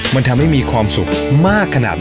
มันทำให้มีความสุขมากขนาดไหน